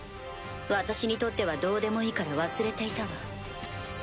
私にとってはどうでもいいから忘れていたわ。